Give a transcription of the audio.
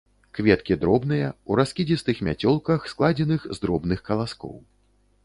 Кветкі дробныя, у раскідзістых мяцёлках, складзеных з дробных каласкоў.